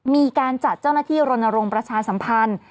มีการจัดเจ้าหน้าที่รณรงค์ประชาสัมพันธ์